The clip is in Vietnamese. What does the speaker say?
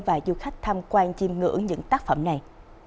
và du khách tham quan chiêm ngưỡng những tác phẩm này